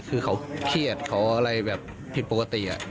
เขาเครียดเขาอะไรปิดปกติ